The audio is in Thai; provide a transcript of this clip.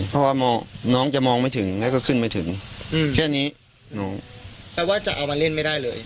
เพราะว่ามองน้องจะมองไม่ถึงแล้วก็ขึ้นไม่ถึงแค่นี้น้องแปลว่าจะเอามาเล่นไม่ได้เลย